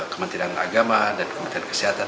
kementerian agama dan kementerian kesehatan